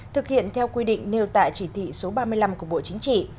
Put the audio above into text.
thực hiện theo quy định nêu tại chỉ thị số ba mươi năm của bộ chính trị